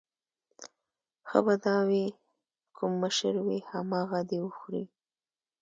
ښه به دا وي کوم مشر وي همغه دې وخوري.